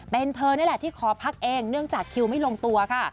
เป็นเธอนี่แหละที่ขอพักเองเนื่องจากคิวไม่ลงตัวค่ะ